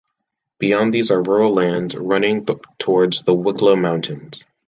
Beyond these are rural lands, running towards the Wicklow Mountains.